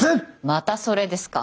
またそれですか？